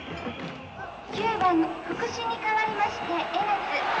「９番福士に代わりまして江夏。